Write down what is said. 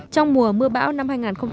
trong mùa mưa bão năm hai nghìn một mươi bảy